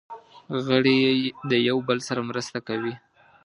غړي یې د یو بل سره مرسته کوي.